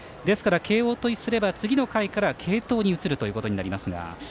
慶応とすれば次の回から継投に移るということになりますが。